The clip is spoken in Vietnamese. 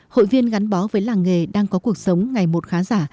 hội viên gắn bó với làng nghề đang có cuộc sống ngày một khá giả